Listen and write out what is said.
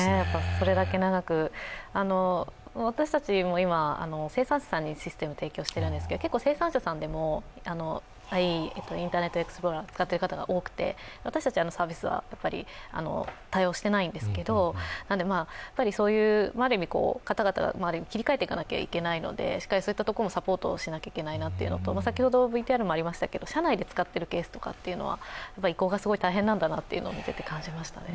それだけ長く、私たちも今、生産者さんにシステムを提供しているんですけど、結構、生産者さんでも、インターネットエクスプローラーを使っている方が多くて私たちのサービスは対応をしていないんですけれども、ある意味、そういう方々も切り替えていかなきゃいけないので、しっかりそういったところもサポートしないといけないなっていうのと先ほどＶＴＲもありましたけど社内で使っているケースは移行がすごい大変なんだなというのを見ていて感じましたね。